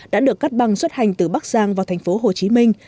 đã được cắt băng xuất hành từ bắc giang vào thành phố hồ chí minh